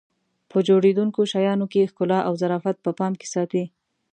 په جوړېدونکو شیانو کې ښکلا او ظرافت په پام کې ساتي.